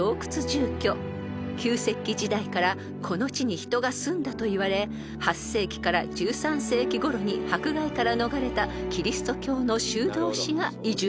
［旧石器時代からこの地に人が住んだといわれ８世紀から１３世紀ごろに迫害から逃れたキリスト教の修道士が移住しました］